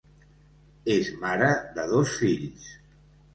És mare de dos fills.